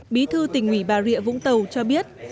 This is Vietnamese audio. bí thư tỉnh ủy bà rịa vũng tàu cho biết